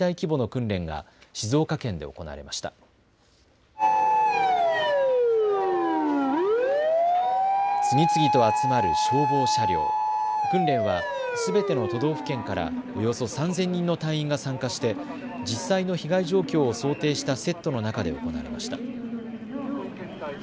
訓練はすべての都道府県からおよそ３０００人の隊員が参加して実際の被害状況を想定したセットの中で行われました。